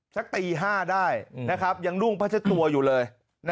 ชักตี๕ได้นะครับยังรุ่งพระเจ้าตัวอยู่เลย